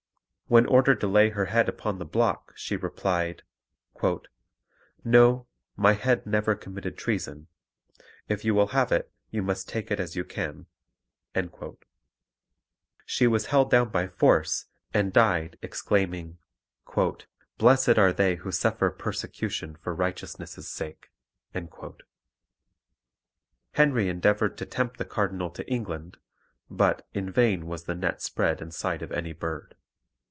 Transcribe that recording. When ordered to lay her head upon the block she replied, "No, my head never committed treason; if you will have it, you must take it as you can." She was held down by force, and died exclaiming, "Blessed are they who suffer persecution for righteousness' sake." Henry endeavoured to tempt the cardinal to England, but "in vain was the net spread in sight of any bird."